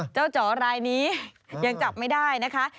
จ๋อรายนี้ยังจับไม่ได้นะคะ